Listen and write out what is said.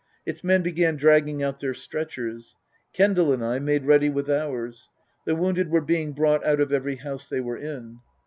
Its men began dragging out their stretchers, Kendal and I made ready with ours. The wounded were being brought out of every house they were in.